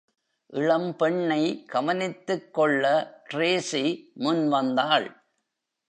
இளம் பெண்ணை கவனித்துக்கொள்ள டிரேசி முன் வந்தாள்.